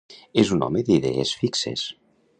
És un home d'idees fixes.